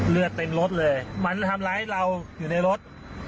เลือดเต็มรถเลยมันทำร้ายเราอยู่ในรถ